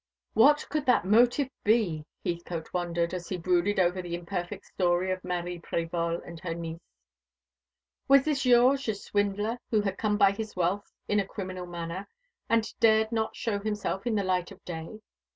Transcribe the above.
What could that motive be? Heathcote wondered, as he brooded over the imperfect story of Marie Prévol and her niece. Was this Georges a swindler, who had come by his wealth in a criminal manner, and dared not show himself in the light of day?